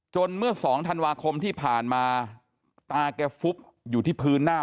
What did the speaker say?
เมื่อสองธันวาคมที่ผ่านมาตาแกฟุบอยู่ที่พื้นหน้า